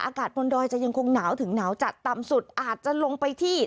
อากาศบนดอยจะยังคงหนาวถึงหนาวจัดต่ำสุดอาจจะลงไปที่